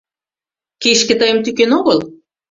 Кишке тыйым тӱкен огыл: